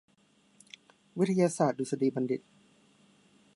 วิทยาศาสตร์ดุษฎีบัณฑิต